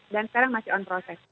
dan sekarang masih on proses